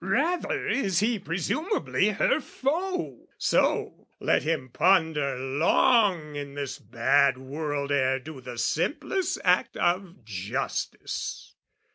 Rather is he presumably her foe: So, let him ponder long in this bad world Ere do the simplest act of justice.